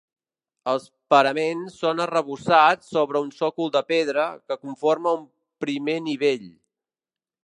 Els paraments són arrebossats sobre un sòcol de pedra, que conforma un primer nivell.